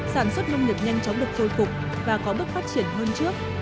sản xuất nông lực nhanh chóng được phôi cục và có bước phát triển hơn trước